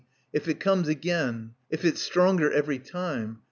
If it comes again. If it's stronger every time.